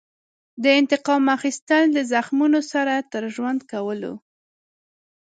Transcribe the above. د انتقام اخیستل د زخمونو سره تر ژوند کولو.